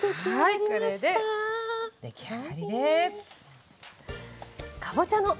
はいこれで出来上がりです。